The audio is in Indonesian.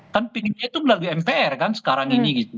kan pinginnya itu melalui mpr kan sekarang ini gitu